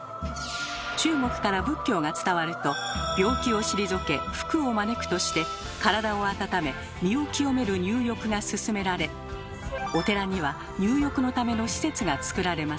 中国から仏教が伝わると「病気を退け福を招く」として体を温め身を清める入浴が勧められお寺には入浴のための施設がつくられました。